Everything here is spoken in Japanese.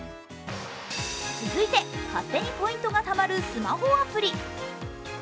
続いて、勝手にポイントがたまるスマホアプリ。